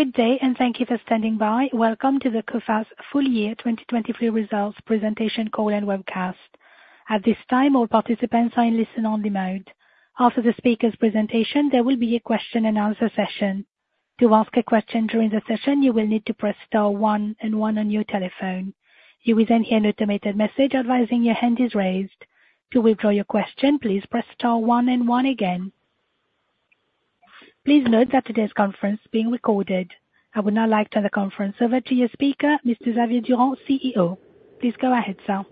Good day and thank you for standing by. Welcome to the Coface Full Year 2023 Results Presentation Call and Webcast. At this time, all participants are in listen-only mode. After the speaker's presentation, there will be a question-and-answer session. To ask a question during the session, you will need to press star one and one on your telephone. If you will then hear an automated message advising your hand is raised. To withdraw your question, please press star one and one again. Please note that today's conference is being recorded. I would now like to turn the conference over to your speaker, Mr. Xavier Durand, CEO. Please go ahead, sir.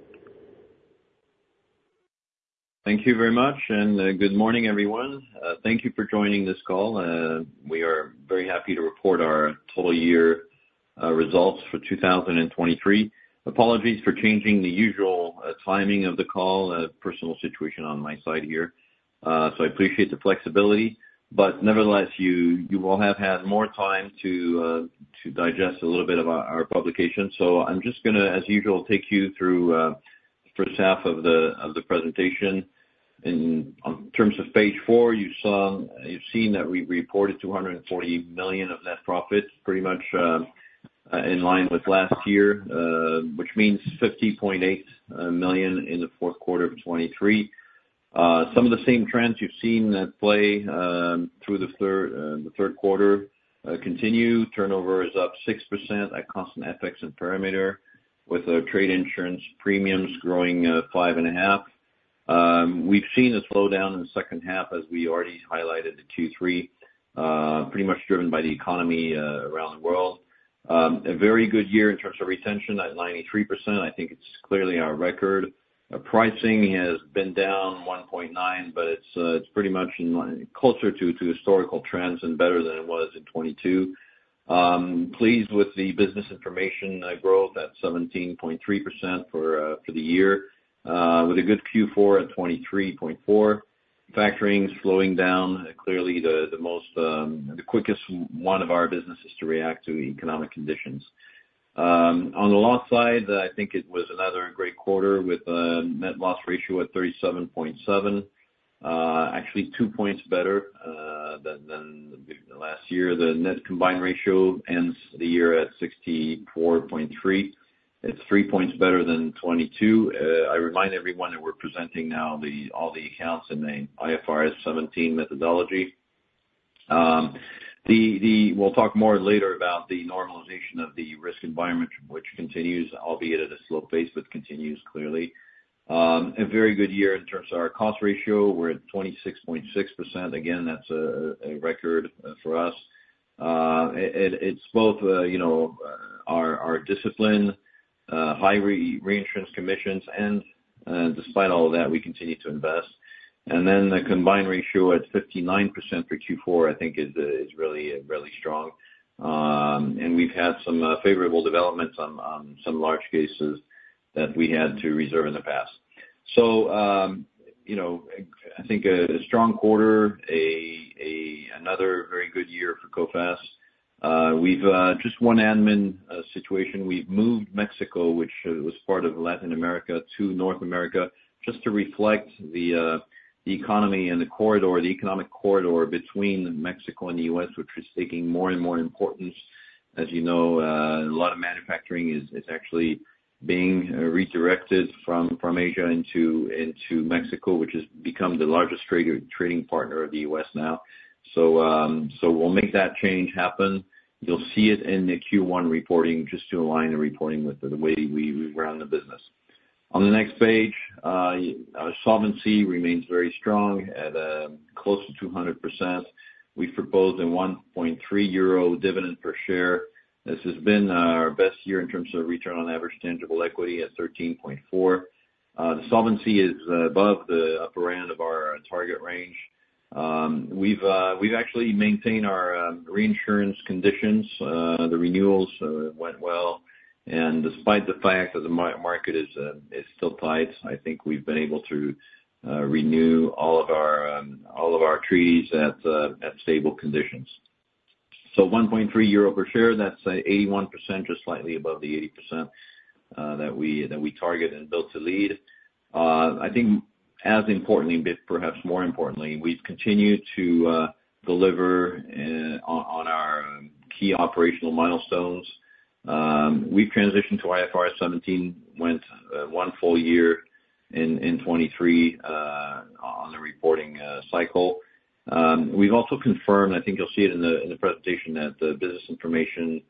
Thank you very much and good morning, everyone. Thank you for joining this call. We are very happy to report our full year results for 2023. Apologies for changing the usual timing of the call. Personal situation on my side here, so I appreciate the flexibility. But nevertheless, you all have had more time to digest a little bit of our publication. So I'm just going to, as usual, take you through the first half of the presentation. In terms of page 4, you've seen that we've reported 240 million of net profit, pretty much in line with last year, which means 50.8 million in the Q4 of 2023. Some of the same trends you've seen at play through the Q3 continue. Turnover is up 6% at constant effects and perimeter, with trade insurance premiums growing 5.5%. We've seen a slowdown in the second half, as we already highlighted in Q3, pretty much driven by the economy around the world. A very good year in terms of retention at 93%. I think it's clearly our record. Pricing has been down 1.9%, but it's pretty much closer to historical trends and better than it was in 2022. Pleased with the business information growth at 17.3% for the year, with a good Q4 at 23.4%. Factoring's slowing down. Clearly, the quickest one of our businesses to react to economic conditions. On the loss side, I think it was another great quarter with a net loss ratio at 37.7%, actually two points better than last year. The net combined ratio ends the year at 64.3%. It's three points better than 2022. I remind everyone that we're presenting now all the accounts in the IFRS 17 methodology. We'll talk more later about the normalization of the risk environment, which continues, albeit at a slow pace, but continues clearly. A very good year in terms of our cost ratio. We're at 26.6%. Again, that's a record for us. It's both our discipline, high reinsurance commissions, and despite all of that, we continue to invest. And then the combined ratio at 59% for Q4, I think, is really strong. And we've had some favorable developments on some large cases that we had to reserve in the past. So I think a strong quarter, another very good year for Coface. Just one admin situation: we've moved Mexico, which was part of Latin America to North America just to reflect the economy and the economic corridor between Mexico and the U.S., which is taking more and more importance. As you know, a lot of manufacturing is actually being redirected from Asia into Mexico, which has become the largest trading partner of the U.S. now. So we'll make that change happen. You'll see it in the Q1 reporting, just to align the reporting with the way we run the business. On the next page, solvency remains very strong at close to 200%. We've proposed a 1.30 euro dividend per share. This has been our best year in terms of Return on Average Tangible Equity at 13.4%. The solvency is above the upper end of our target range. We've actually maintained our reinsurance conditions. The renewals went well. And despite the fact that the market is still tight, I think we've been able to renew all of our treaties at stable conditions. So 1.30 euro per share, that's 81%, just slightly above the 80% that we target and Build to Lead. I think, as importantly, perhaps more importantly, we've continued to deliver on our key operational milestones. We've transitioned to IFRS 17, went one full year in 2023 on the reporting cycle. We've also confirmed, and I think you'll see it in the presentation, that the business information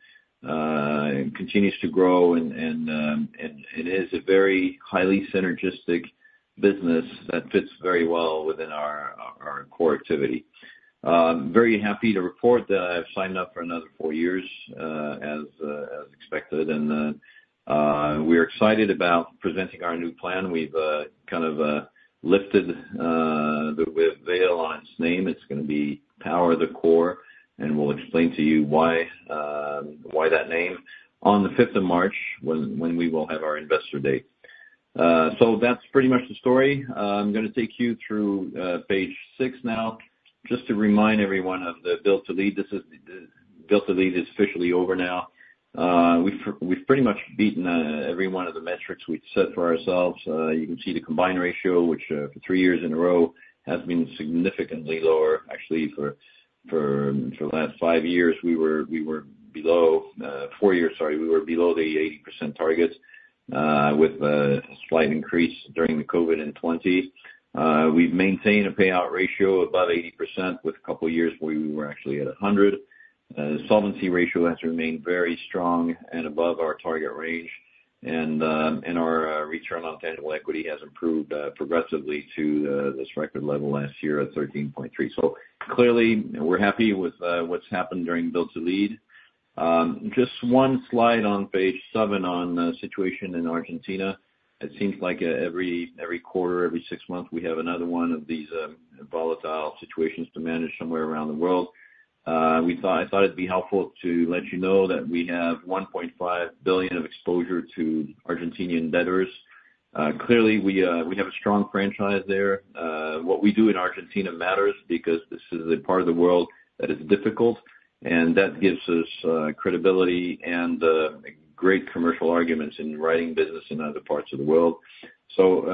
continues to grow, and it is a very highly synergistic business that fits very well within our core activity. Very happy to report that I've signed up for another four years, as expected. And we're excited about presenting our new plan. We've kind of lifted the veil on its name. It's going to be Power the Core, and we'll explain to you why that name on the 5th of March, when we will have our investor date. So that's pretty much the story. I'm going to take you through page six now, just to remind everyone of the Build to Lead. Build to Lead is officially over now. We've pretty much beaten every one of the metrics we'd set for ourselves. You can see the combined ratio, which for three years in a row has been significantly lower. Actually, for the last five years, sorry, we were below the 80% target, with a slight increase during the COVID in 2020. We've maintained a payout ratio above 80%, with a couple of years where we were actually at 100%. The solvency ratio has remained very strong and above our target range, and our return on tangible equity has improved progressively to this record level last year at 13.3%. So clearly, we're happy with what's happened during Build to Lead. Just one slide on page seven on the situation in Argentina. It seems like every quarter, every six months, we have another one of these volatile situations to manage somewhere around the world. I thought it'd be helpful to let you know that we have 1.5 billion of exposure to Argentinian debtors. Clearly, we have a strong franchise there. What we do in Argentina matters because this is a part of the world that is difficult, and that gives us credibility and great commercial arguments in writing business in other parts of the world. So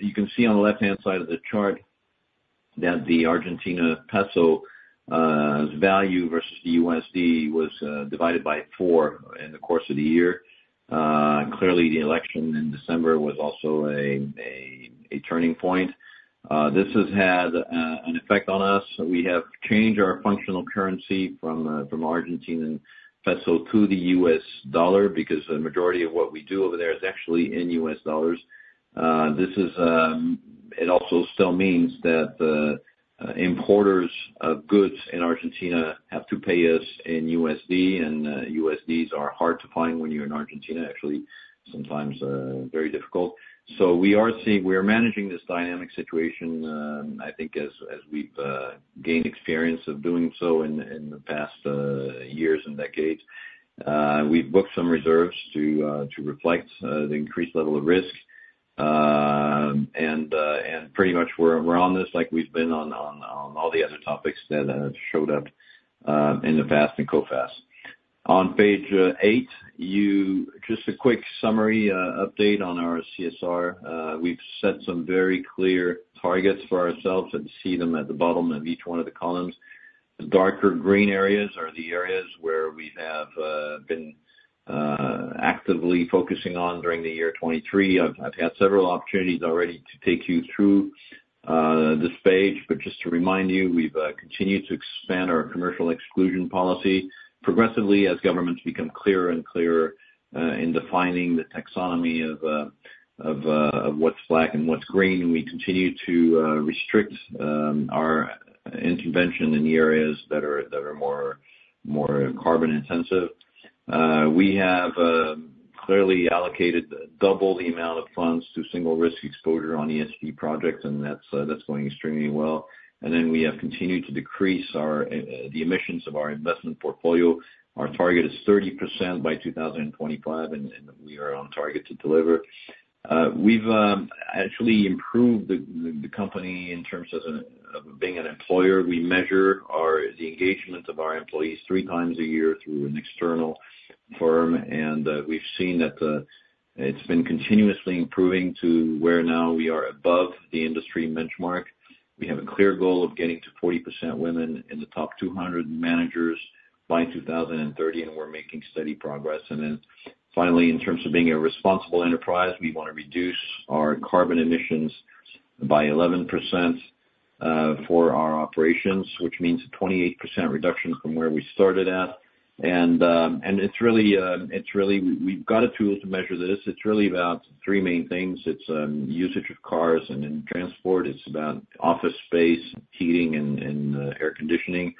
you can see on the left-hand side of the chart that the Argentine peso's value versus the USD was divided by four in the course of the year. Clearly, the election in December was also a turning point. This has had an effect on us. We have changed our functional currency from Argentine peso to the U.S. dollar because the majority of what we do over there is actually in U.S. dollars. It also still means that importers of goods in Argentina have to pay us in USD, and USDs are hard to find when you're in Argentina. Actually, sometimes very difficult. So we are managing this dynamic situation, I think, as we've gained experience of doing so in the past years and decades. We've booked some reserves to reflect the increased level of risk, and pretty much we're on this like we've been on all the other topics that showed up in the past in Coface. On page eight, just a quick summary update on our CSR. We've set some very clear targets for ourselves and see them at the bottom of each one of the columns. The darker green areas are the areas where we have been actively focusing on during the year 2023. I've had several opportunities already to take you through this page, but just to remind you, we've continued to expand our commercial exclusion policy progressively as governments become clearer and clearer in defining the taxonomy of what's black and what's green. We continue to restrict our intervention in the areas that are more carbon-intensive. We have clearly allocated double the amount of funds to single-risk exposure on ESG projects, and that's going extremely well. And then we have continued to decrease the emissions of our investment portfolio. Our target is 30% by 2025, and we are on target to deliver. We've actually improved the company in terms of being an employer. We measure the engagement of our employees three times a year through an external firm, and we've seen that it's been continuously improving to where now we are above the industry benchmark. We have a clear goal of getting to 40% women in the top 200 managers by 2030, and we're making steady progress. Then finally, in terms of being a responsible enterprise, we want to reduce our carbon emissions by 11% for our operations, which means a 28% reduction from where we started at. And it's really we've got a tool to measure this. It's really about three main things. It's usage of cars and transport. It's about office space, heating, and air conditioning.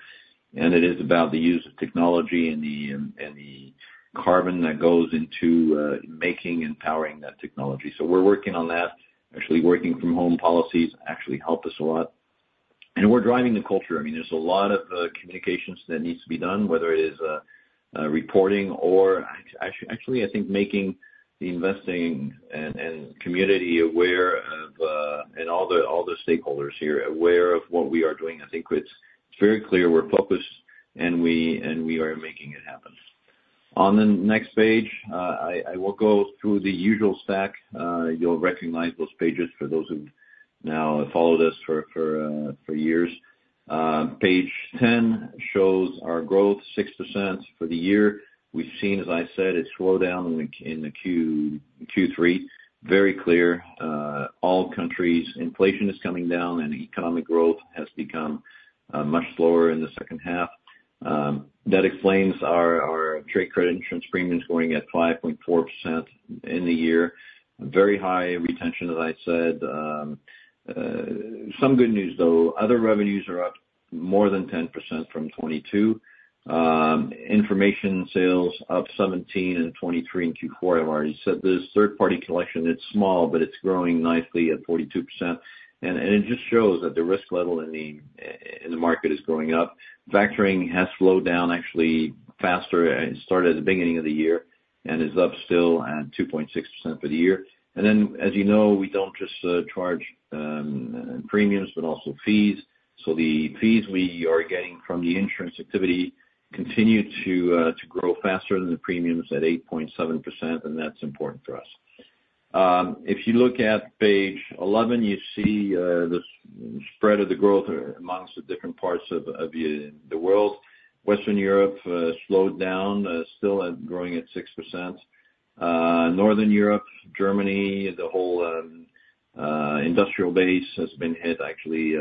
And it is about the use of technology and the carbon that goes into making and powering that technology. So we're working on that. Actually, working-from-home policies actually help us a lot. We're driving the culture. I mean, there's a lot of communications that needs to be done, whether it is reporting or actually, I think, making the investing community aware of and all the stakeholders here aware of what we are doing. I think it's very clear we're focused. We are making it happen. On the next page, I will go through the usual stack. You'll recognize those pages for those who've now followed us for years. Page 10 shows our growth, 6% for the year. We've seen, as I said, a slowdown in Q3. Very clear. All countries, inflation is coming down, and economic growth has become much slower in the second half. That explains our trade credit insurance premiums going at 5.4% in the year. Very high retention, as I said. Some good news, though. Other revenues are up more than 10% from 2022. Information sales up 17% in 2023 and 2024. I've already said this. Third-party collection, it's small, but it's growing nicely at 42%. And it just shows that the risk level in the market is growing up. Factoring has slowed down, actually, faster. It started at the beginning of the year and is up still at 2.6% for the year. And then, as you know, we don't just charge premiums but also fees. So the fees we are getting from the insurance activity continue to grow faster than the premiums at 8.7%, and that's important for us. If you look at page 11, you see the spread of the growth amongst the different parts of the world. Western Europe slowed down, still growing at 6%. Northern Europe, Germany, the whole industrial base has been hit, actually,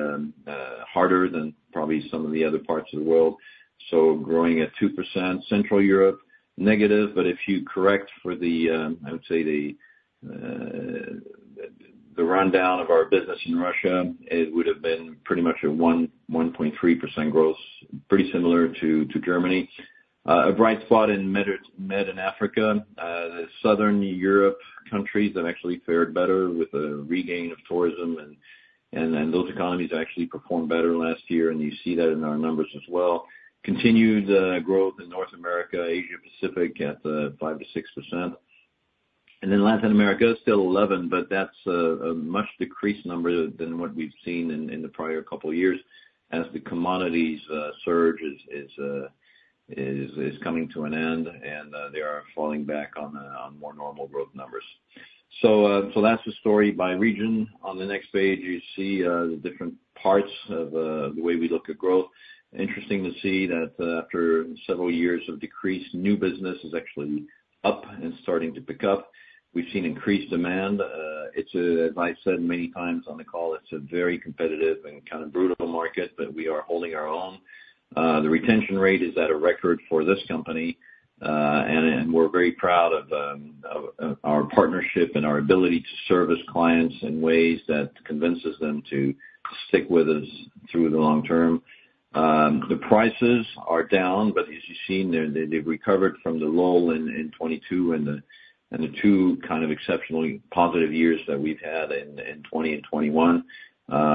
harder than probably some of the other parts of the world, so growing at 2%. Central Europe, negative. But if you correct for the, I would say, the rundown of our business in Russia, it would have been pretty much a 1.3% growth, pretty similar to Germany. A bright spot in Med and Africa. The southern Europe countries have actually fared better with a regain of tourism, and those economies actually performed better last year, and you see that in our numbers as well. Continued growth in North America, Asia-Pacific at 5%-6%. And then Latin America, still 11%, but that's a much decreased number than what we've seen in the prior couple of years as the commodities surge is coming to an end, and they are falling back on more normal growth numbers. So that's the story by region. On the next page, you see the different parts of the way we look at growth. Interesting to see that after several years of decrease, new business is actually up and starting to pick up. We've seen increased demand. As I've said many times on the call, it's a very competitive and kind of brutal market, but we are holding our own. The retention rate is at a record for this company, and we're very proud of our partnership and our ability to service clients in ways that convince them to stick with us through the long term. The prices are down, but as you've seen, they've recovered from the lull in 2022 and the two kind of exceptionally positive years that we've had in 2020 and 2021.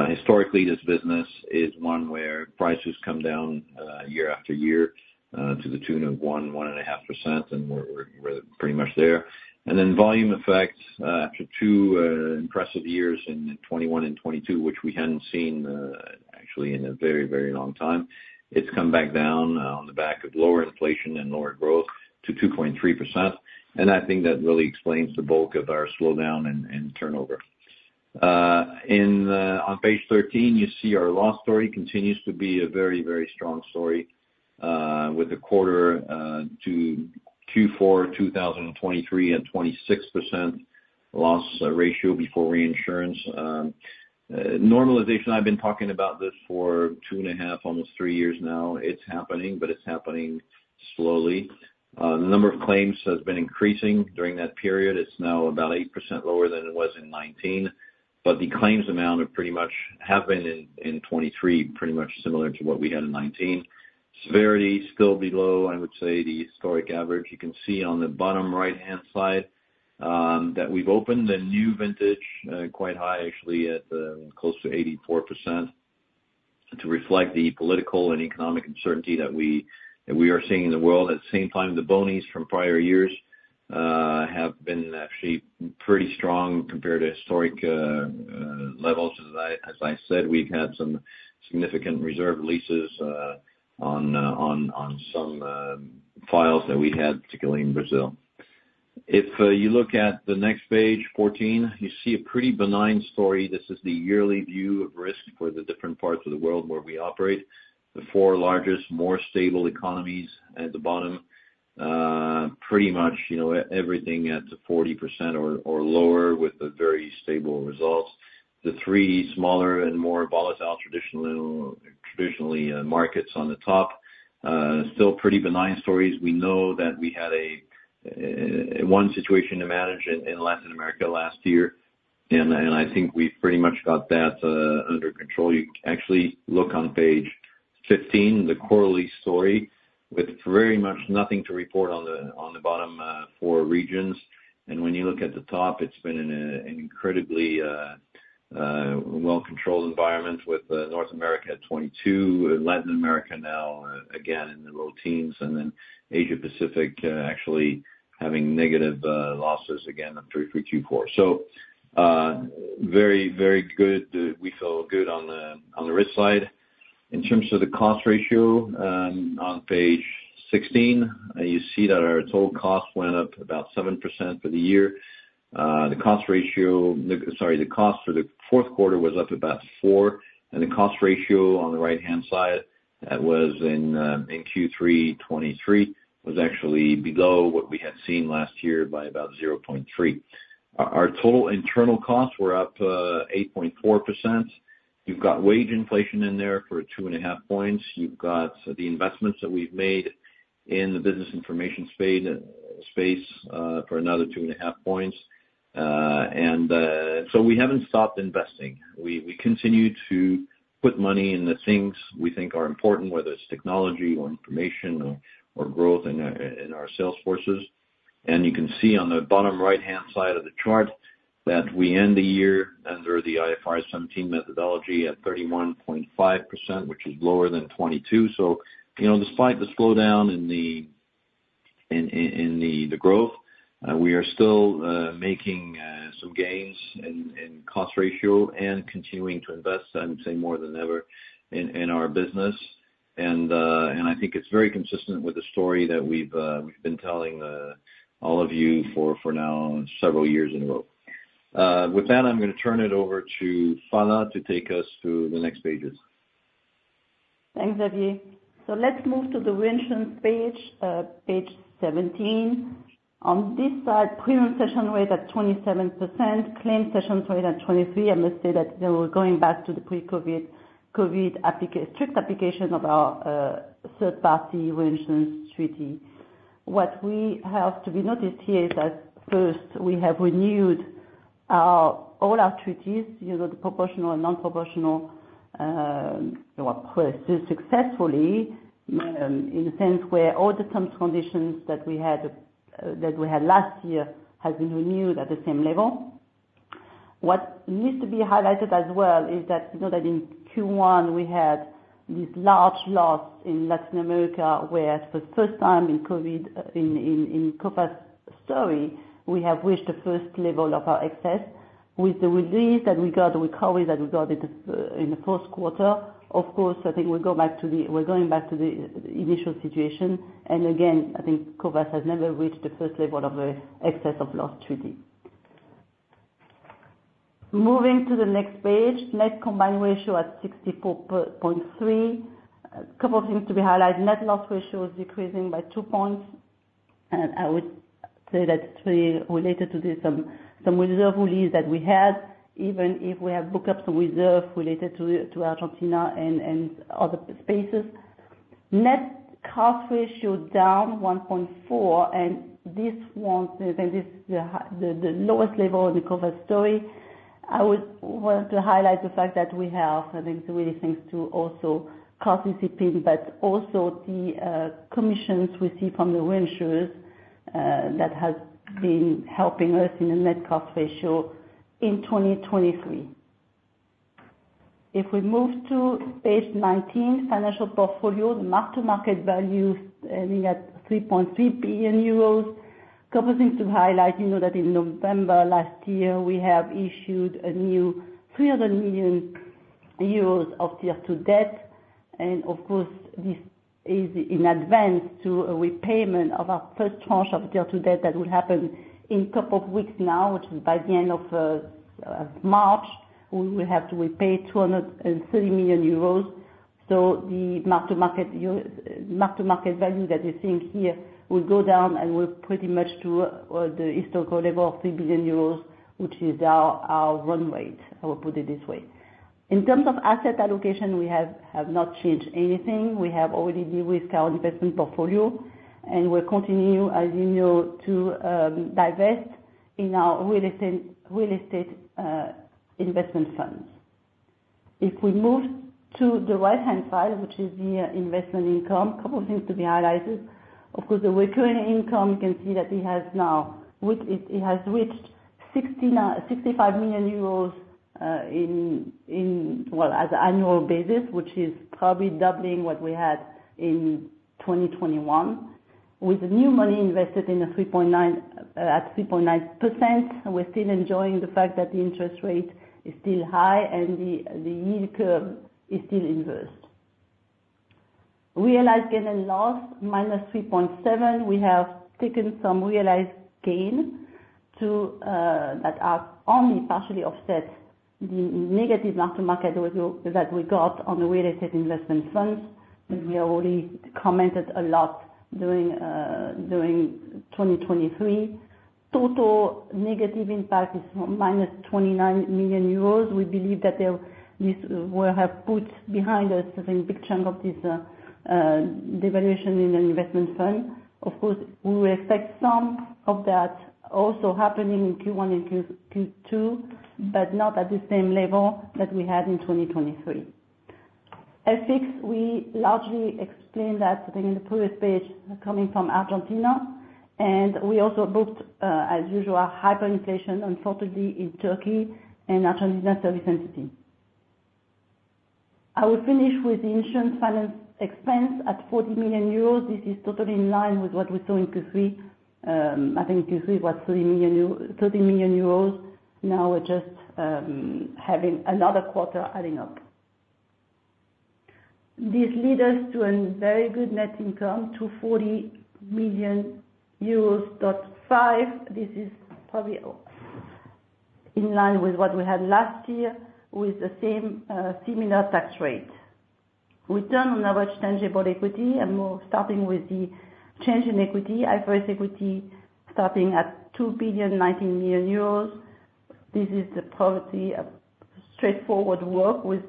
Historically, this business is one where prices come down year after year to the tune of 1%-1.5%, and we're pretty much there. And then volume effect, after two impressive years in 2021 and 2022, which we hadn't seen, actually, in a very, very long time, it's come back down on the back of lower inflation and lower growth to 2.3%. And I think that really explains the bulk of our slowdown and turnover. On page 13, you see our loss story. Continues to be a very, very strong story with a quarter to Q4 2023 at 26% loss ratio before reinsurance. Normalization, I've been talking about this for two and a half, almost three years now. It's happening, but it's happening slowly. The number of claims has been increasing during that period. It's now about 8% lower than it was in 2019, but the claims amount have been in 2023 pretty much similar to what we had in 2019. Severity, still below, I would say, the historic average. You can see on the bottom right-hand side that we've opened a new vintage quite high, actually, at close to 84% to reflect the political and economic uncertainty that we are seeing in the world. At the same time, the bonuses from prior years have been actually pretty strong compared to historic levels. As I said, we've had some significant reserve releases on some files that we had, particularly in Brazil. If you look at the next page 14, you see a pretty benign story. This is the yearly view of risk for the different parts of the world where we operate. The four largest, more stable economies at the bottom, pretty much everything at 40% or lower with very stable results. The three smaller and more volatile, traditionally, markets on the top, still pretty benign stories. We know that we had one situation to manage in Latin America last year, and I think we've pretty much got that under control. You can actually look on page 15, the quarterly story, with very much nothing to report on the bottom four regions. And when you look at the top, it's been an incredibly well-controlled environment with North America at 22%, Latin America now again in the low teens, and then Asia-Pacific actually having negative losses again on 33%. So very, very good. We feel good on the risk side. In terms of the cost ratio, on page 16, you see that our total cost went up about 7% for the year. The cost ratio, sorry, the cost for the Q4 was up about 4%, and the cost ratio on the right-hand side that was in Q3 2023 was actually below what we had seen last year by about 0.3%. Our total internal costs were up 8.4%. You've got wage inflation in there for 2.5 points. You've got the investments that we've made in the business information space for another 2.5 points. And so we haven't stopped investing. We continue to put money in the things we think are important, whether it's technology or information or growth in our sales forces. And you can see on the bottom right-hand side of the chart that we end the year under the IFRS 17 methodology at 31.5%, which is lower than 2022. So despite the slowdown in the growth, we are still making some gains in cost ratio and continuing to invest, I would say, more than ever in our business. I think it's very consistent with the story that we've been telling all of you for now several years in a row. With that, I'm going to turn it over to Phalla to take us through the next pages. Thanks, Xavier. Let's move to the reinsurance page, page 17. On this side, premium cession rate at 27%, claim cession rate at 23%. I must say that we're going back to the pre-COVID strict application of our third-party reinsurance treaty. What has to be noted here is that, first, we have renewed all our treaties, the proportional and non-proportional, successfully in the sense where all the terms and conditions that we had last year have been renewed at the same level. What needs to be highlighted as well is that in Q1, we had these large losses in Latin America where, for the first time in COVID, in Coface's history, we have reached the first level of our excess. With the release that we got, the recovery that we got in the Q4, of course, I think we're going back to the we're going back to the initial situation. Again, I think Coface has never reached the first level of excess of loss treaty. Moving to the next page, net combined ratio at 64.3%. A couple of things to be highlighted. Net loss ratio is decreasing by 2 points. I would say that's really related to some reserve release that we had, even if we have booked up some reserve related to Argentina and other spaces. Net cost ratio down 1.4%, and this one, I think this is the lowest level in the Coface story. I wanted to highlight the fact that we have, I think, really thanks to also cost discipline, but also the commissions we see from the reinsurers that have been helping us in the net cost ratio in 2023. If we move to page 19, financial portfolio, the mark-to-market value ending at 3.3 billion euros. A couple of things to highlight. You know that in November last year, we have issued a new 300 million euros of Tier 2 debt. And of course, this is in advance to a repayment of our first tranche of Tier 2 debt that will happen in a couple of weeks now, which is by the end of March. We will have to repay 230 million euros. So the mark-to-market value that you're seeing here will go down and will pretty much to the historical level of 3 billion euros, which is our run rate. I will put it this way. In terms of asset allocation, we have not changed anything. We have already dealt with our investment portfolio, and we'll continue, as you know, to divest in our real estate investment funds. If we move to the right-hand side, which is the investment income, a couple of things to be highlighted. Of course, the recurring income, you can see that it has now reached 65 million euros in, well, as an annual basis, which is probably doubling what we had in 2021. With the new money invested at 3.9%, we're still enjoying the fact that the interest rate is still high and the yield curve is still inversed. Realized gain and loss -3.7%. We have taken some realized gain that only partially offsets the negative mark-to-market ratio that we got on the real estate investment funds that we already commented a lot during 2023. Total negative impact is -29 million euros. We believe that this will have put behind us a big chunk of this devaluation in an investment fund. Of course, we will expect some of that also happening in Q1 and Q2, but not at the same level that we had in 2023. FX, we largely explained that, I think, in the previous page, coming from Argentina. We also booked, as usual, hyperinflation, unfortunately, in Turkey and Argentina service entity. I will finish with the insurance finance expense at 40 million euros. This is totally in line with what we saw in Q3. I think Q3 was 30 million euros. Now we're just having another quarter adding up. This leads us to a very good net income to 40 million euros, 5%. This is probably in line with what we had last year with the similar tax rate. Return on average tangible equity, starting with the change in equity, IFRS equity starting at 2.019 billion. This is probably a straightforward work with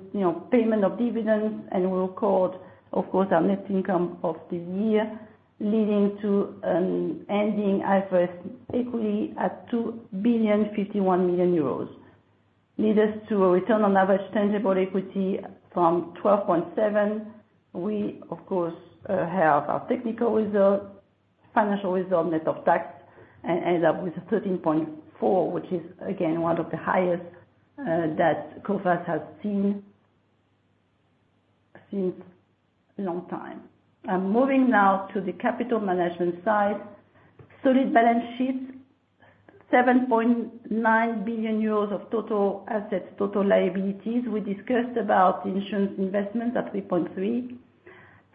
payment of dividends and record, of course, our net income of the year, leading to an ending IFRS equity at 2.051 billion. Leads us to a return on average tangible equity of 12.7%. We, of course, have our technical result, financial result, net of tax, and end up with 13.4%, which is, again, one of the highest that Coface has seen since a long time. I'm moving now to the capital management side. Solid balance sheet, 7.9 billion euros of total assets, total liabilities. We discussed about the insurance investments at 3.3%.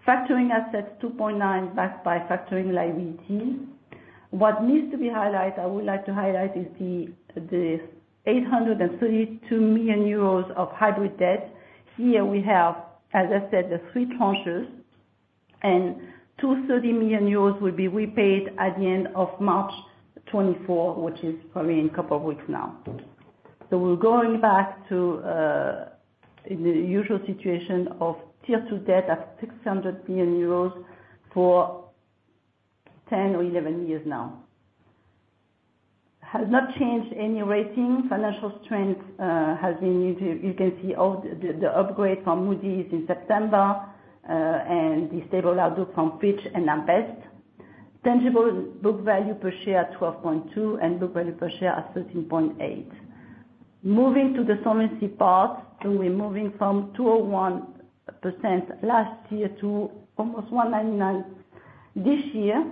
Factoring assets, 2.9% backed by factoring liabilities. What needs to be highlighted, I would like to highlight, is the 832 million euros of hybrid debt. Here, we have, as I said, the three tranches, and 230 million euros will be repaid at the end of March 2024, which is probably in a couple of weeks now. So we're going back to the usual situation of Tier 2 debt at 600 million euros for 10 or 11 years now. Has not changed any rating. Financial strength has been used. You can see the upgrade from Moody's in September and the stable outlook from Fitch and S&P. Tangible book value per share at 12.2% and book value per share at 13.8%. Moving to the solvency part, so we're moving from 201% last year to almost 199% this year.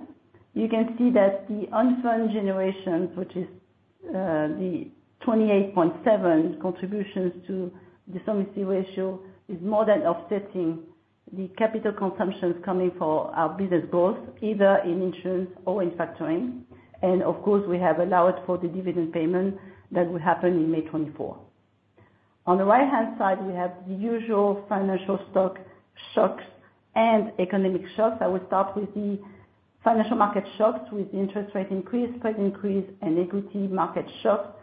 You can see that the own funds generation, which is the 28.7% contributions to the solvency ratio, is more than offsetting the capital consumptions coming for our business growth, either in insurance or in factoring. And of course, we have allowed for the dividend payment that will happen in May 2024. On the right-hand side, we have the usual financial stock shocks and economic shocks. I will start with the financial market shocks with interest rate increase, price increase, and equity market shocks.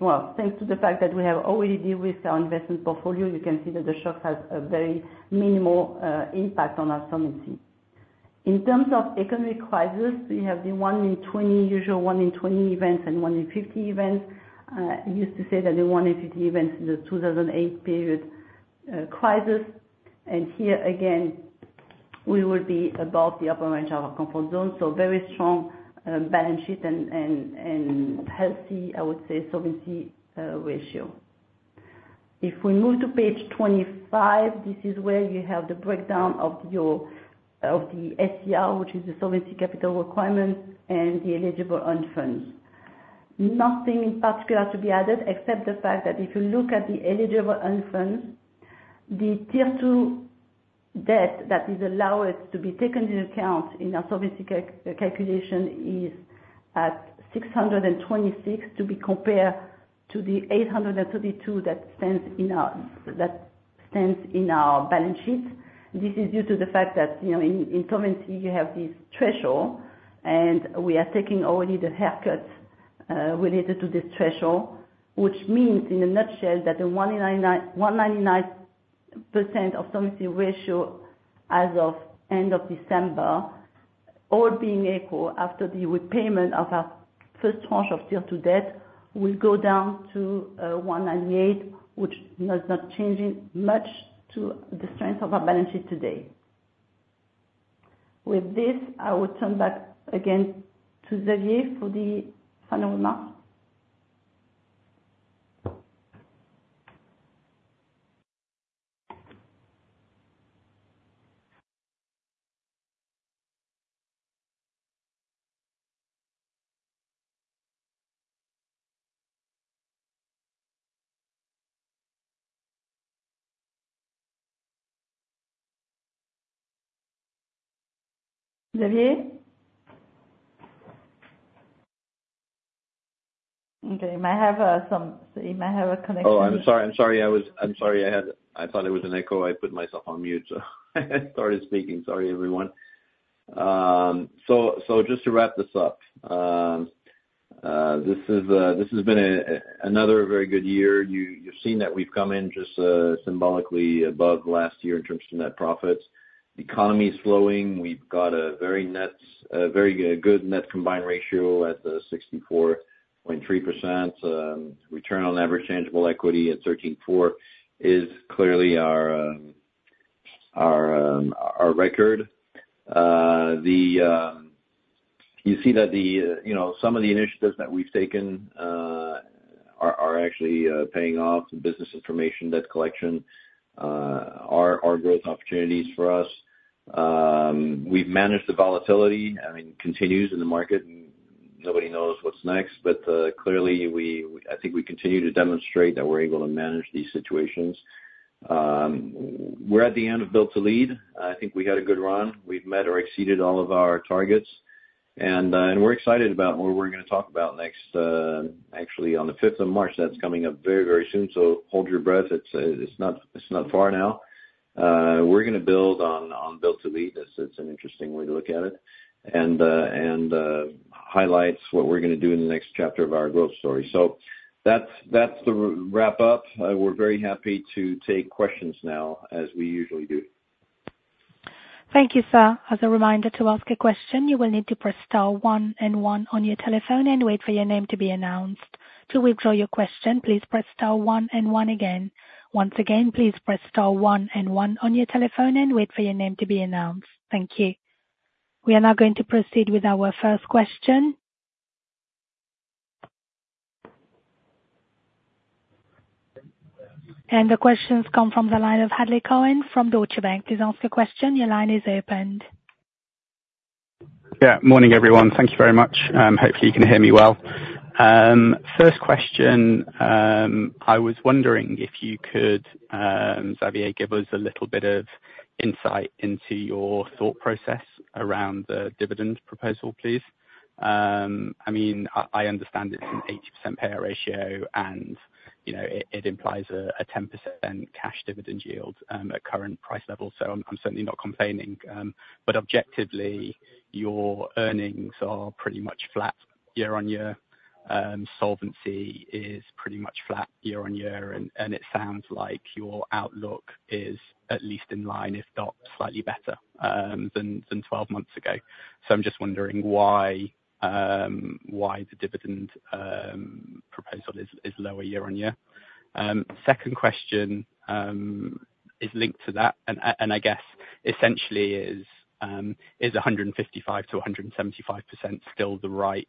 Well, thanks to the fact that we have already dealt with our investment portfolio, you can see that the shocks have a very minimal impact on our solvency. In terms of economic crisis, we have the 1 in 20, usual 1 in 20 events, and 1 in 50 events. I used to say that the 1 in 50 events in the 2008 period crisis. Here, again, we will be above the upper range of our comfort zone. Very strong balance sheet and healthy, I would say, solvency ratio. If we move to page 25, this is where you have the breakdown of the SCR, which is the Solvency Capital Requirement, and the eligible own funds. Nothing in particular to be added except the fact that if you look at the eligible own funds, the Tier 2 Debt that is allowed to be taken into account in our solvency calculation is at 626% to be compared to the 832% that stands in our balance sheet. This is due to the fact that in solvency, you have this threshold, and we are taking already the haircuts related to this threshold, which means, in a nutshell, that the 199% of solvency ratio as of the end of December, all being equal after the repayment of our first tranche of Tier 2 Debt, will go down to 198%, which is not changing much to the strength of our balance sheet today. With this, I will turn back again to Xavier for the final remarks. Xavier? Okay. You might have some you might have a connection. Oh, I'm sorry. I'm sorry. I was. I'm sorry. I thought it was an echo. I put myself on mute, so I started speaking. Sorry, everyone. So just to wrap this up, this has been another very good year. You've seen that we've come in just symbolically above last year in terms of net profits. The economy is slowing. We've got a very good net combined ratio at 64.3%. Return on average tangible equity at 13.4% is clearly our record. You see that some of the initiatives that we've taken are actually paying off, the business information, debt collection are growth opportunities for us. We've managed the volatility. I mean, it continues in the market, and nobody knows what's next. But clearly, I think we continue to demonstrate that we're able to manage these situations. We're at the end of Build to Lead. I think we had a good run. We've met or exceeded all of our targets. We're excited about what we're going to talk about next, actually, on the 5th of March. That's coming up very, very soon, so hold your breath. It's not far now. We're going to build on Build to Lead. It's an interesting way to look at it and highlights what we're going to do in the next chapter of our growth story. That's the wrap-up. We're very happy to take questions now, as we usually do. Thank you, sir. As a reminder to ask a question, you will need to press star one and one on your telephone and wait for your name to be announced. To withdraw your question, please press star one and one again. Once again, please press star one and one on your telephone and wait for your name to be announced. Thank you. We are now going to proceed with our first question. The questions come from the line of Hadley Cohen from Deutsche Bank. Please ask your question. Your line is opened. Yeah. Morning, everyone. Thank you very much. Hopefully, you can hear me well. First question, I was wondering if you could, Xavier, give us a little bit of insight into your thought process around the dividend proposal, please. I mean, I understand it's an 80% payout ratio, and it implies a 10% cash dividend yield at current price levels, so I'm certainly not complaining. But objectively, your earnings are pretty much flat year-on-year. Solvency is pretty much flat year-on-year, and it sounds like your outlook is at least in line, if not slightly better, than 12 months ago. So I'm just wondering why the dividend proposal is lower year-on-year. Second question is linked to that, and I guess essentially is, is 155%-175% still the right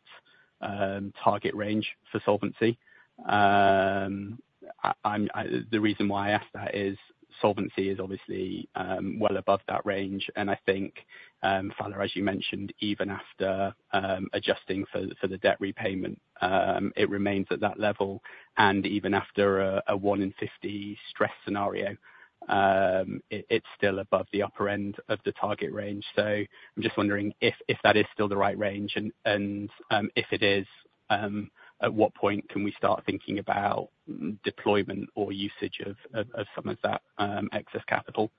target range for solvency? The reason why I ask that is solvency is obviously well above that range. And I think, Phalla, as you mentioned, even after adjusting for the debt repayment, it remains at that level. And even after a 1 in 50 stress scenario, it's still above the upper end of the target range. So I'm just wondering if that is still the right range. And if it is, at what point can we start thinking about deployment or usage of some of that excess capital?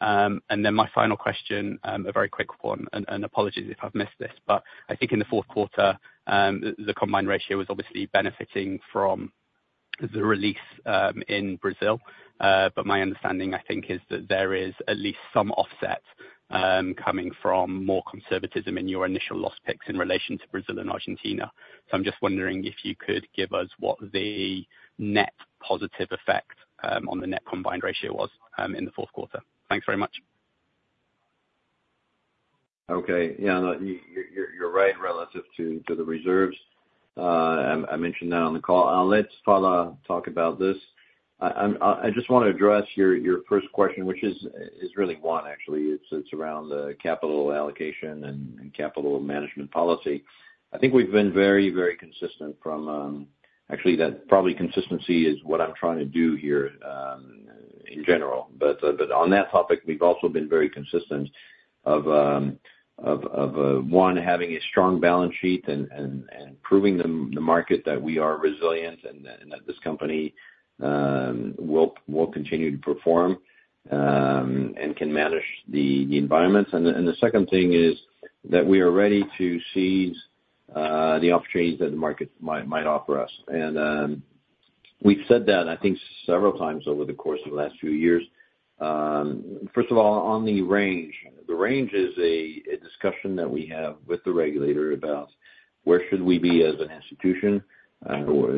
And then my final question, a very quick one, and apologies if I've missed this, but I think in the Q4, the combined ratio was obviously benefiting from the release in Brazil. But my understanding, I think, is that there is at least some offset coming from more conservatism in your initial loss picks in relation to Brazil and Argentina. So I'm just wondering if you could give us what the net positive effect on the net combined ratio was in the Q4. Thanks very much. Okay. Yeah. You're right relative to the reserves. I mentioned that on the call. Let's Phalla talk about this. I just want to address your first question, which is really one, actually. It's around the capital allocation and capital management policy. I think we've been very, very consistent from actually, that probably consistency is what I'm trying to do here in general. On that topic, we've also been very consistent of one, having a strong balance sheet and proving to the market that we are resilient and that this company will continue to perform and can manage the environments. The second thing is that we are ready to seize the opportunities that the market might offer us. We've said that, I think, several times over the course of the last few years. First of all, on the range, the range is a discussion that we have with the regulator about where should we be as an institution.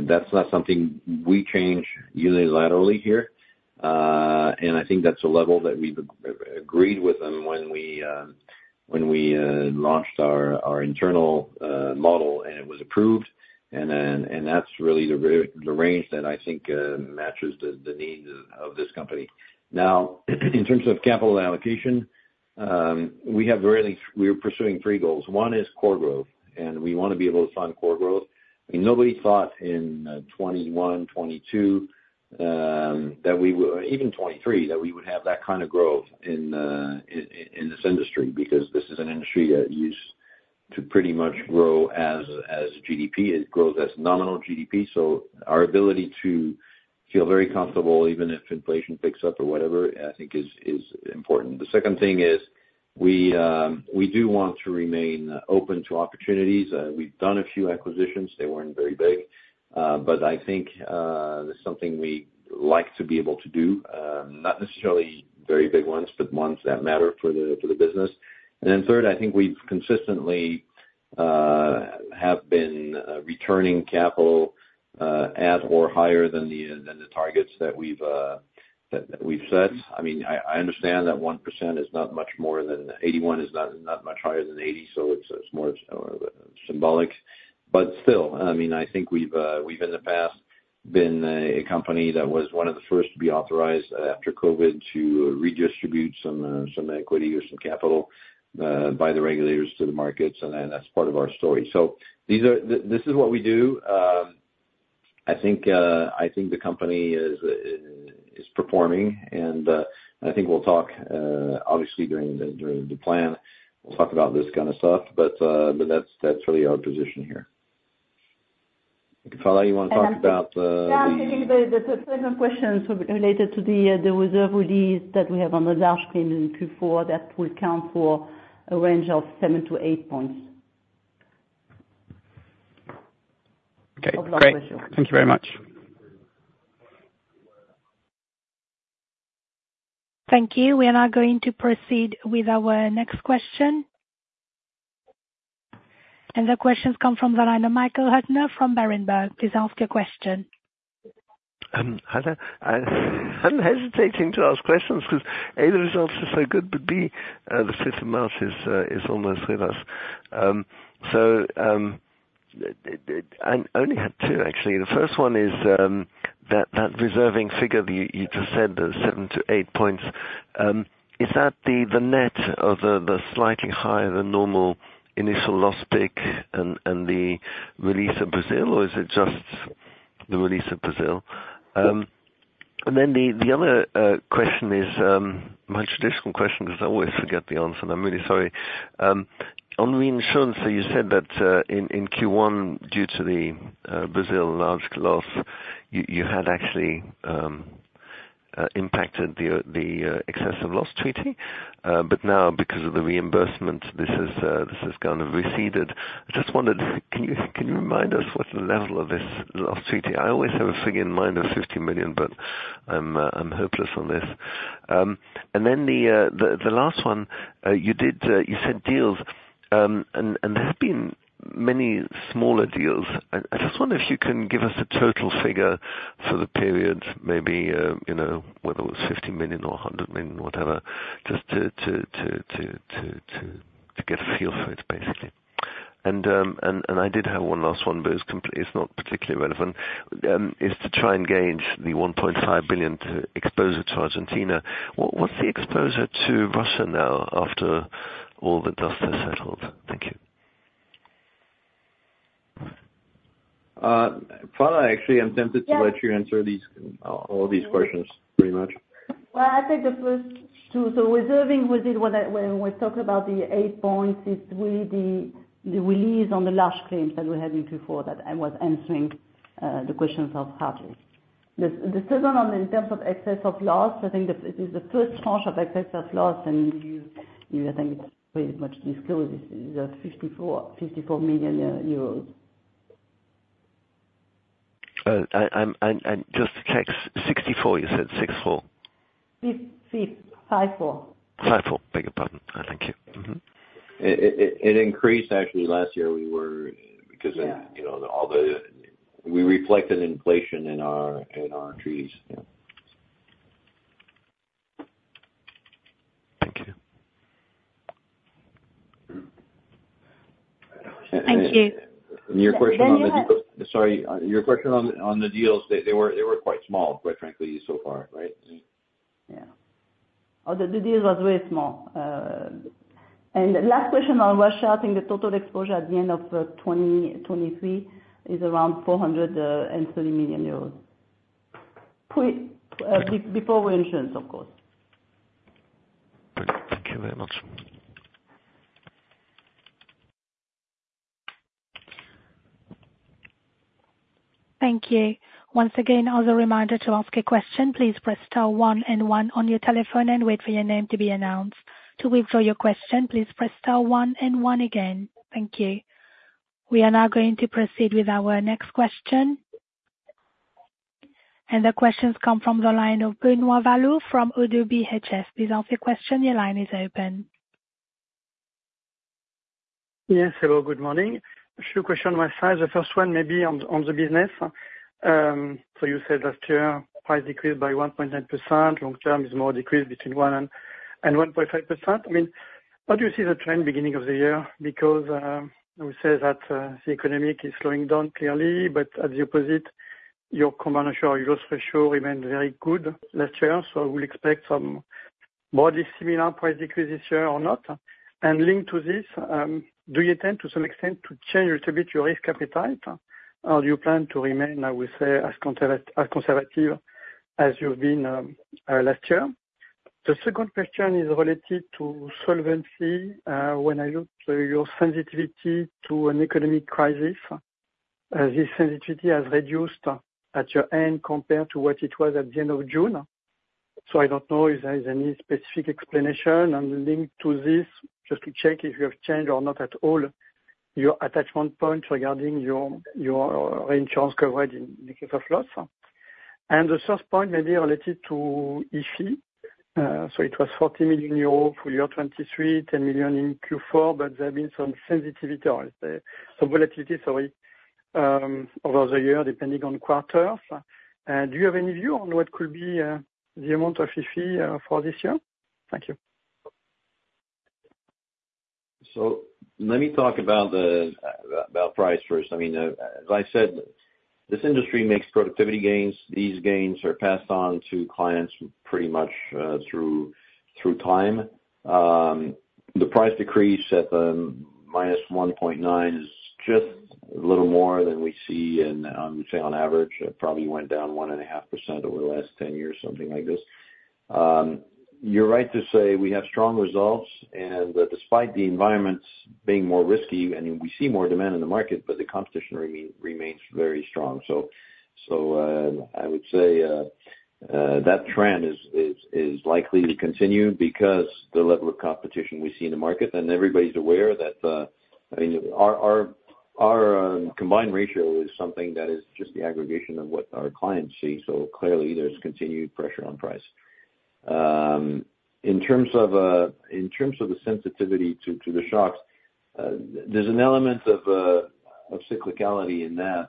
That's not something we change unilaterally here. I think that's a level that we've agreed with them when we launched our internal model, and it was approved. That's really the range that I think matches the needs of this company. Now, in terms of capital allocation, we are pursuing three goals. One is core growth, and we want to be able to fund core growth. I mean, nobody thought in 2021, 2022, that we even 2023, that we would have that kind of growth in this industry because this is an industry that used to pretty much grow as GDP. It grows as nominal GDP. So our ability to feel very comfortable, even if inflation picks up or whatever, I think, is important. The second thing is we do want to remain open to opportunities. We've done a few acquisitions. They weren't very big. But I think this is something we like to be able to do, not necessarily very big ones, but ones that matter for the business. And then third, I think we've consistently have been returning capital at or higher than the targets that we've set. I mean, I understand that 1% is not much more than 81% is not much higher than 80%, so it's more symbolic. But still, I mean, I think we've, in the past, been a company that was one of the first to be authorized after COVID to redistribute some equity or some capital by the regulators to the markets. And that's part of our story. So this is what we do. I think the company is performing. And I think we'll talk, obviously, during the plan. We'll talk about this kind of stuff. But that's really our position here. Phalla, you want to talk about the? Yeah. I was thinking about the second question related to the reserve release that we have on the large claims in Q4 that will count for a range of 7-8 points. Okay. Great. Thank you very much. Thank you. We are now going to proceed with our next question. The questions come from the line of Michael Huttner from Berenberg. Please ask your question. I'm hesitating to ask questions because A, the results are so good, but B, the 5th of March is almost with us. So I only had two, actually. The first one is that reserving figure that you just said, the 7-8 points. Is that the net or the slightly higher than normal initial loss pick and the release of Brazil, or is it just the release of Brazil? And then the other question is my traditional question because I always forget the answer. And I'm really sorry. On reinsurance, so you said that in Q1, due to the Brazil large loss, you had actually impacted the excess of loss treaty. But now, because of the reimbursement, this has kind of receded. I just wondered, can you remind us what's the level of this loss treaty? I always have a figure in mind of 50 million, but I'm hopeless on this. Then the last one, you said deals. And there have been many smaller deals. I just wonder if you can give us a total figure for the period, maybe whether it was 50 million or 100 million, whatever, just to get a feel for it, basically. I did have one last one, but it's not particularly relevant, is to try and gauge the 1.5 billion to exposure to Argentina. What's the exposure to Russia now after all the dust has settled? Thank you. Phalla, actually, I'm tempted to let you answer all these questions pretty much. Well, I think this was two. So reserving release, when we talk about the 8 points, it's really the release on the large claims that we had in Q4 that I was answering the questions of Hadley. The second one, in terms of excess of loss, I think it is the first tranche of excess of loss. And I think it's pretty much disclosed. It's EUR 54 million. And just to check, 64 you said, 64? 54. 54. Bigger problem. Thank you. It increased, actually. Last year, we were because all the we reflected inflation in our treaties. Yeah. Thank you. And your question on the deals, sorry. Your question on the deals, they were quite small, quite frankly, so far, right? Yeah. Oh, the deal was very small. And the last question on Russia, the total exposure at the end of 2023 is around 430 million euros before reinsurance, of course. Thank you very much. Thank you. Once again, as a reminder to ask a question, please press star one and one on your telephone and wait for your name to be announced. To withdraw your question, please press star one and one again. Thank you. We are now going to proceed with our next question. The questions come from the line of Benoît Valleaux from ODDO BHF. Please ask your question. Your line is open. Yes. Hello. Good morning. A few questions on my side. The first one, maybe on the business. So you said last year, price decreased by 1.9%. Long-term, it's more decreased between 1%-1.5%. I mean, what do you see as a trend beginning of the year? Because we say that the economy is slowing down clearly. But at the opposite, your combined ratio or your loss ratio remained very good last year. So I will expect some broadly similar price decrease this year or not. And linked to this, do you tend, to some extent, to change a little bit your risk appetite? Or do you plan to remain, I would say, as conservative as you've been last year? The second question is related to solvency. When I looked at your sensitivity to an economic crisis, this sensitivity has reduced at your end compared to what it was at the end of June. So I don't know if there is any specific explanation linked to this, just to check if you have changed or not at all your attachment points regarding your reinsurance coverage in the case of loss. And the first point may be related to EFI. So it was 40 million euro for year 2023, 10 million in Q4. But there have been some sensitivity, some volatility, sorry, over the year depending on quarters. Do you have any view on what could be the amount of EFI for this year? Thank you. So let me talk about price first. I mean, as I said, this industry makes productivity gains. These gains are passed on to clients pretty much through time. The price decrease at -1.9% is just a little more than we see on average. It probably went down 1.5% over the last 10 years, something like this. You're right to say we have strong results. And despite the environment being more risky, I mean, we see more demand in the market, but the competition remains very strong. So I would say that trend is likely to continue because of the level of competition we see in the market. And everybody's aware that I mean, our combined ratio is something that is just the aggregation of what our clients see. So clearly, there's continued pressure on price. In terms of the sensitivity to the shocks, there's an element of cyclicality in that,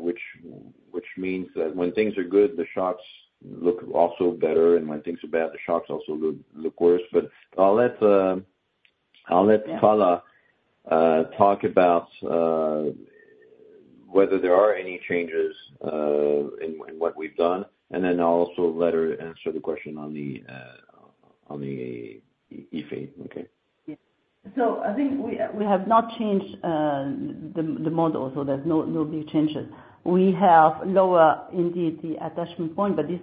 which means that when things are good, the shocks look also better. And when things are bad, the shocks also look worse. But I'll let Phalla talk about whether there are any changes in what we've done. And then I'll also let her answer the question on the IFE, okay? Yeah. So I think we have not changed the model, so there's no big changes. We have lower, indeed, the attachment point. But this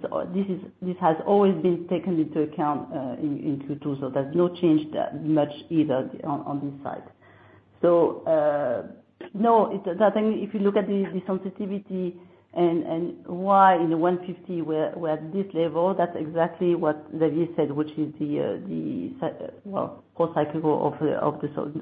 has always been taken into account in Q2. So there's no change much either on this side. So no, I think if you look at the sensitivity and why in the 150 we're at this level, that's exactly what Xavier said, which is the, well, core cycle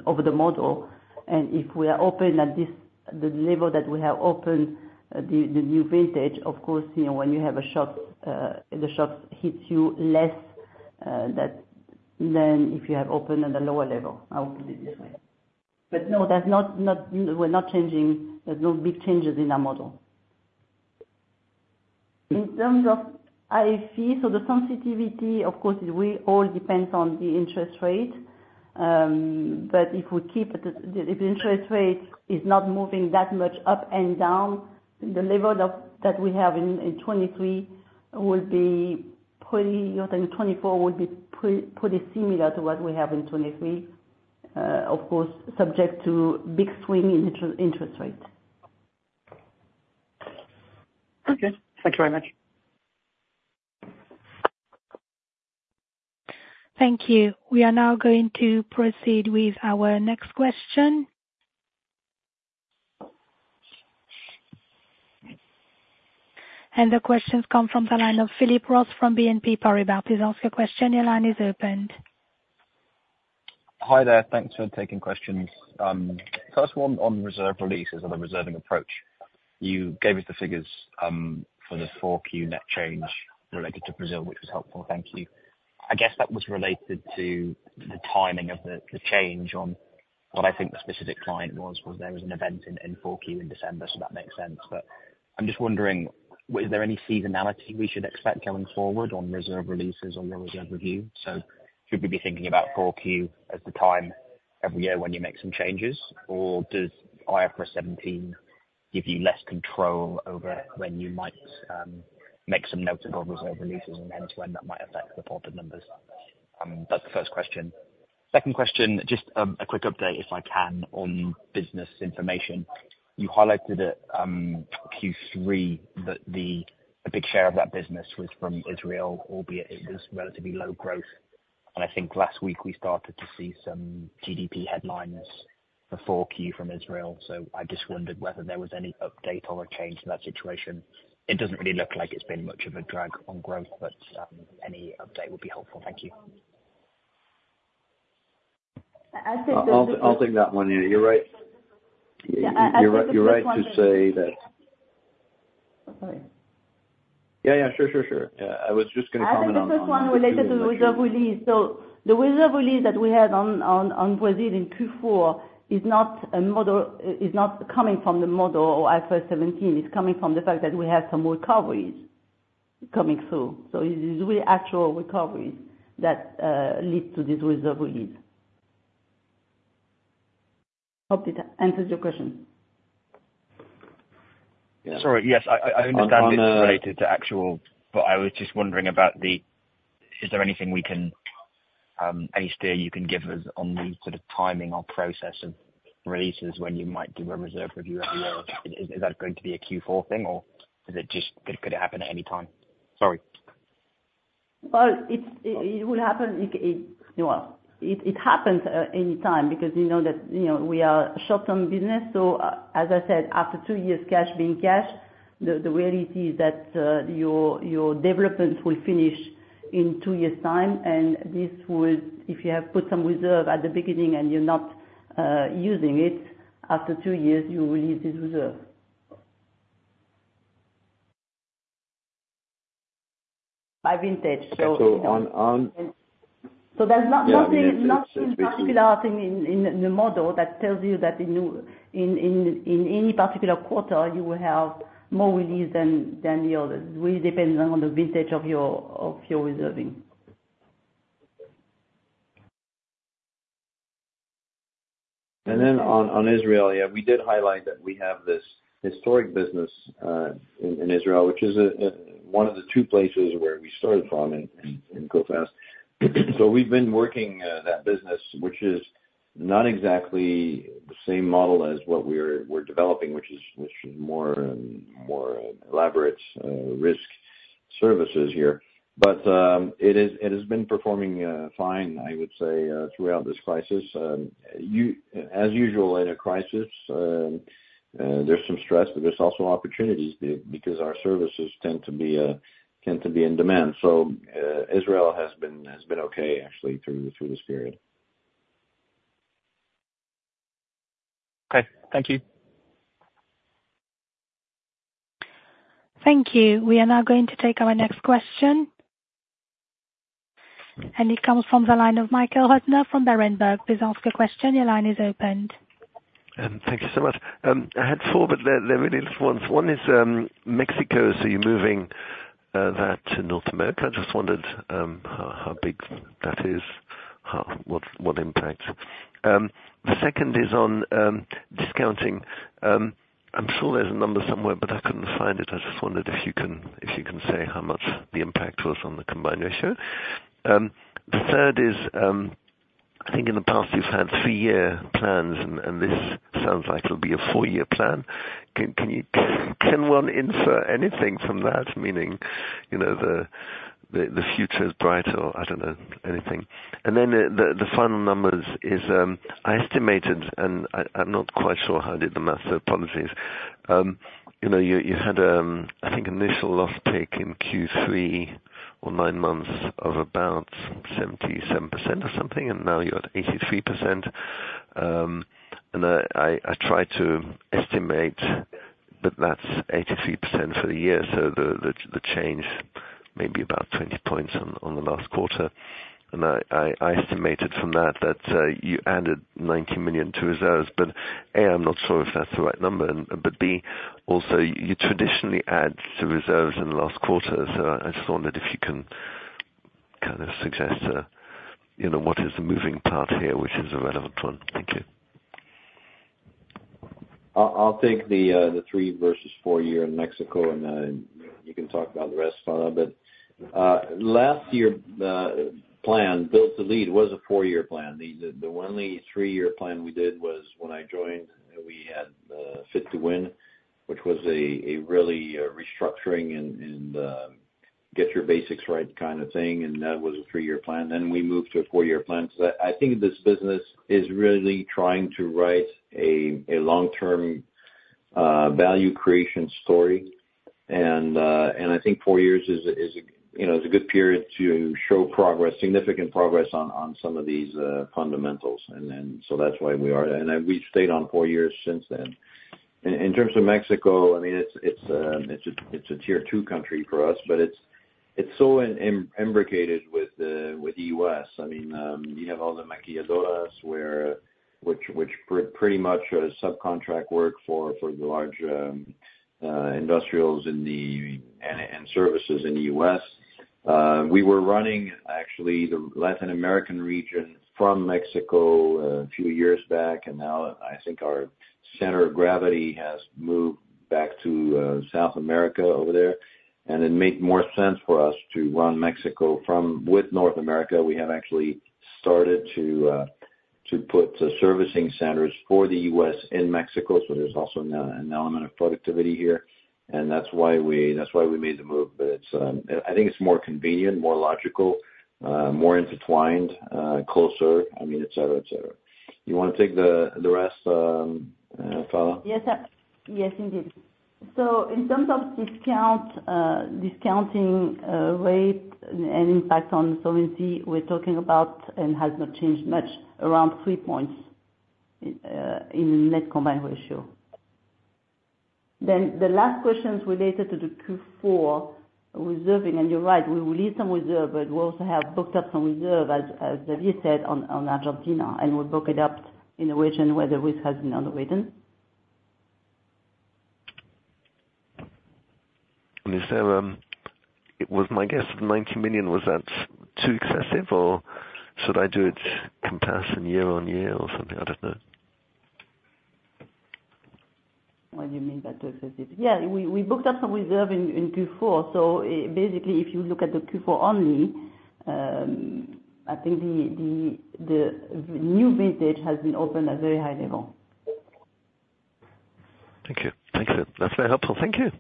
over the model. And if we are open at the level that we have open, the new vintage, of course, when you have a shock, the shocks hit you less than if you have opened at a lower level. I will put it this way. But no, we're not changing. There's no big changes in our model. In terms of IFE, so the sensitivity, of course, it all depends on the interest rate. But if we keep it if the interest rate is not moving that much up and down, the level that we have in 2023 will be pretty. I think 2024 will be pretty similar to what we have in 2023, of course, subject to big swing in interest rate. Okay. Thank you very much. Thank you. We are now going to proceed with our next question. And the questions come from the line of Philip Ross from BNP Paribas. Please ask your question. Your line is opened. Hi there. Thanks for taking questions. First one, on reserve releases or the reserving approach. You gave us the figures for the Q4 net change related to Brazil, which was helpful. Thank you. I guess that was related to the timing of the change on what I think the specific client was. There was an event in Q4 in December, so that makes sense. But I'm just wondering, is there any seasonality we should expect going forward on reserve releases or your reserve review? So should we be thinking about Q4 as the time every year when you make some changes? Or does IFRS 17 give you less control over when you might make some noticeable reserve releases and hence when that might affect the profit numbers? That's the first question. Second question, just a quick update, if I can, on business information. You highlighted at Q3 that a big share of that business was from Israel, albeit it was relatively low growth. And I think last week, we started to see some GDP headlines for Q4 from Israel. So I just wondered whether there was any update or a change in that situation. It doesn't really look like it's been much of a drag on growth, but any update would be helpful. Thank you. I'll take that one. Yeah. You're right. You're right to say that. Sorry. Yeah. Yeah. Sure. Sure. Sure. Yeah. I was just going to comment on. I think this one related to reserve release. So the reserve release that we had on Brazil in Q4 is not coming from the model or IFRS 17. It's coming from the fact that we have some recoveries coming through. So it is really actual recoveries that lead to this reserve release. Hope it answers your question. Yeah. Sorry. Yes. I understand it's related to actual, but I was just wondering about the is there anything we can any steer you can give us on the sort of timing or process of releases when you might do a reserve review every year? Is that going to be a Q4 thing, or could it happen at any time? Sorry. Well, it will happen. Well, it happens anytime because you know that we are short-term business. So as I said, after two years, cash being cash, the reality is that your development will finish in two years' time. And if you have put some reserve at the beginning and you're not using it, after two years, you release this reserve by vintage. So. So there's nothing particular thing in the model that tells you that in any particular quarter, you will have more release than the others. It really depends on the vintage of your reserving. And then on Israel, yeah, we did highlight that we have this historic business in Israel, which is one of the two places where we started from in Coface. So we've been working that business, which is not exactly the same model as what we're developing, which is more elaborate risk services here. But it has been performing fine, I would say, throughout this crisis. As usual in a crisis, there's some stress, but there's also opportunities because our services tend to be in demand. So Israel has been okay, actually, through this period. Okay. Thank you. Thank you. We are now going to take our next question. It comes from the line of Michael Huttner from Berenberg. Please ask your question. Your line is open. Thank you so much. Looking forward, there are really just two. One is Mexico. So you're moving that to North America. I just wondered how big that is, what impact. The second is on discounting. I'm sure there's a number somewhere, but I couldn't find it. I just wondered if you can say how much the impact was on the combined ratio. The third is, I think in the past, you've had 3-year plans, and this sounds like it'll be a 4-year plan. Can one infer anything from that, meaning the future is bright or I don't know, anything? And then the final numbers is I estimated, and I'm not quite sure how I did the math. So apologies. You had, I think, initial loss peak in Q3 or nine months of about 77% or something. And now you're at 83%. And I tried to estimate, but that's 83% for the year. So the change may be about 20 points on the last quarter. And I estimated from that that you added 90 million to reserves. But A, I'm not sure if that's the right number. But, B, also, you traditionally add to reserves in the last quarter. So I just wondered if you can kind of suggest what is the moving part here, which is a relevant one. Thank you. I'll take the three versus four-year in Mexico. And you can talk about the rest, Phalla. But last year, the plan, Build to Lead, was a four-year plan. The only 3-year plan we did was when I joined. We had Fit to Win, which was a really restructuring and get your basics right kind of thing. And that was a three-year plan. Then we moved to a four-year plan because I think this business is really trying to write a long-term value creation story. And I think four years is a good period to show significant progress on some of these fundamentals. So that's why we are. We've stayed on four years since then. In terms of Mexico, I mean, it's a tier-two country for us, but it's so imbricated with the U.S. I mean, you have all the maquiladoras, which pretty much subcontract work for the large industrials and services in the U.S. We were running, actually, the Latin American region from Mexico a few years back. And now, I think our center of gravity has moved back to South America over there. And it made more sense for us to run Mexico with North America. We have actually started to put servicing centers for the U.S. in Mexico. So there's also an element of productivity here. And that's why we made the move. But I think it's more convenient, more logical, more intertwined, closer, I mean, etc., etc. Do you want to take the rest, Phalla? Yes. Yes, indeed. So in terms of discounting rate and impact on solvency we're talking about. And has not changed much, around three points in the net combined ratio. Then the last question is related to the Q4 reserving. And you're right. We will leave some reserve, but we also have booked up some reserve, as Xavier said, on Argentina. And we'll book it up in a region where the risk has been underrated. So, it was my guess of 90 million. Was that too excessive, or should I do it comparison year-on-year or something? I don't know. What do you mean by too excessive? Yeah. We booked up some reserve in Q4. So basically, if you look at the Q4 only, I think the new vintage has been opened at very high level. Thank you. Thanks, sir. That's very helpful. Thank you.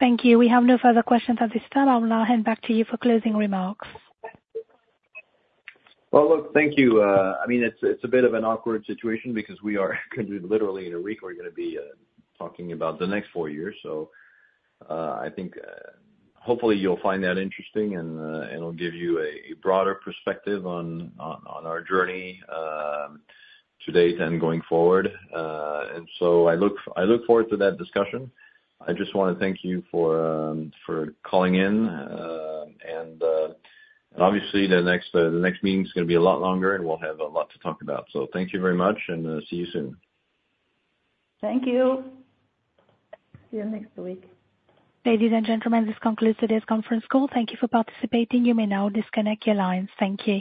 Thank you. We have no further questions at this time. I will now hand back to you for closing remarks. Well, look, thank you. I mean, it's a bit of an awkward situation because we are literally in a week where we're going to be talking about the next four years. So hopefully, you'll find that interesting, and it'll give you a broader perspective on our journey to date and going forward. So I look forward to that discussion. I just want to thank you for calling in. Obviously, the next meeting is going to be a lot longer, and we'll have a lot to talk about. So thank you very much, and see you soon. Thank you. See you next week. Ladies and gentlemen, this concludes today's conference call. Thank you for participating. You may now disconnect your lines. Thank you.